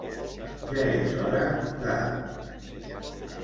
Ja és hora de.